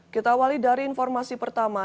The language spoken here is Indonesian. kita awali dari informasi pertama